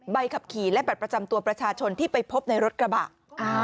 ใบขับขี่และบัตรประจำตัวประชาชนที่ไปพบในรถกระบะ